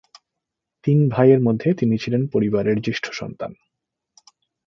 তিন ভাইয়ের মধ্যে তিনি ছিলেন পরিবারে জ্যেষ্ঠ সন্তান।